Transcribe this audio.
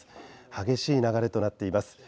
激しい流れとなっています。